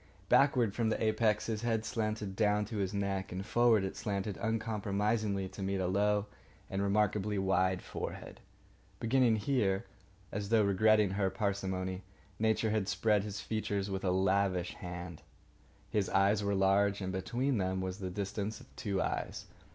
Backward, from the apex, his head slanted down to his neck and forward it slanted uncompromisingly to meet a low and remarkably wide forehead. Beginning here, as though regretting her parsimony, Nature had spread his features with a lavish hand. His eyes were large, and between them was the distance of two eyes.